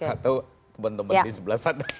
atau teman teman di sebelah sana